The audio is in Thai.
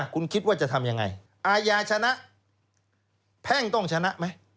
คุณคิดว่าจะทำยังไงอาญาชนะแพ่งต้องชนะไหม